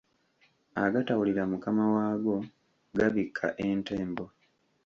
Agatawulira mukama waago gabikka entembo.